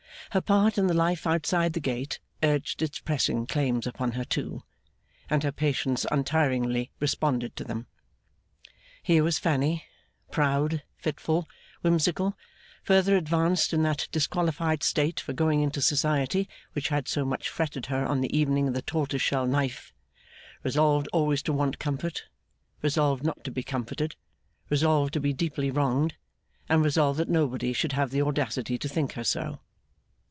Her part in the life outside the gate urged its pressing claims upon her too, and her patience untiringly responded to them. Here was Fanny, proud, fitful, whimsical, further advanced in that disqualified state for going into society which had so much fretted her on the evening of the tortoise shell knife, resolved always to want comfort, resolved not to be comforted, resolved to be deeply wronged, and resolved that nobody should have the audacity to think her so.